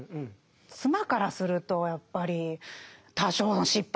妻からするとやっぱり多少の失敗はあります